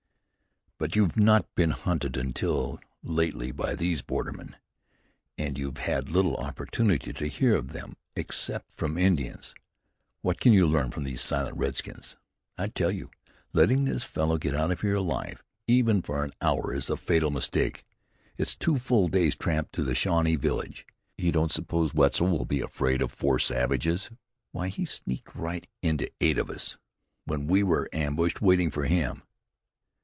"But you've not been hunted until lately by these bordermen, and you've had little opportunity to hear of them except from Indians. What can you learn from these silent redskins? I tell you, letting this fellow get out of here alive, even for an hour is a fatal mistake. It's two full days' tramp to the Shawnee village. You don't suppose Wetzel will be afraid of four savages? Why, he sneaked right into eight of us, when we were ambushed, waiting for him.